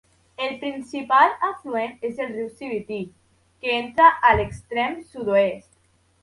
El principal afluent és el riu Sibiti, que entra a l'extrem sud-oest.